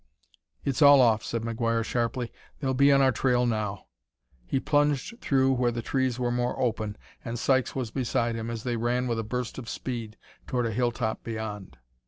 "It's all off," said McGuire sharply; "they'll be on our trail now!" He plunged through where the trees were more open, and Sykes was beside him as they ran with a burst of speed toward a hilltop beyond.